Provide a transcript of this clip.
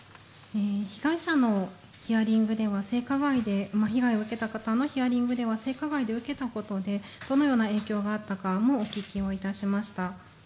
被害者のヒアリングでは性加害で被害を受けた方のヒアリングで性加害を受けたことでどのような影響があったかもお聞きいたしました。